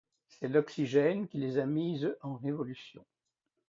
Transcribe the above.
C’est l’oxygène qui les a mises en révolution!